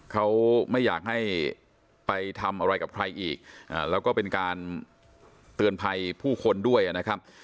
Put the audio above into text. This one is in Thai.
เขาไม่อยากให้ไปทำอะไรกับใครอีกแล้วก็เป็นการเตือนภัยผู้คนด้วยนะครับ